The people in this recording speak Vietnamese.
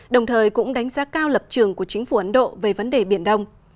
đồng thời cũng đánh giá cao lập trường của chính phủ ấn độ về vấn đề biển đông